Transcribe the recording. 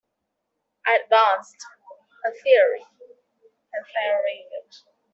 I advanced a theory!